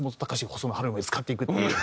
細野晴臣を使っていくっていう。